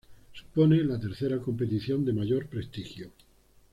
Supone la tercera competición de mayor prestigio.